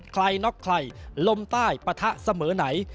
น็อกใครลมใต้ปะทะเสมอไหน